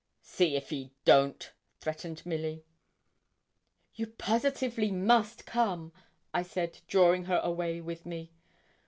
'See if he don't,' threatened Milly. 'You positively must come,' I said, drawing her away with me.